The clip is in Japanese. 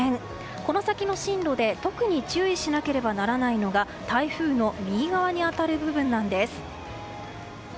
この先の進路で特に注意しなければならないのが台風の右側に当たる部分なんです。